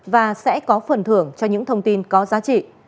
và sẽ có phần thưởng cho những thông tin có giá trị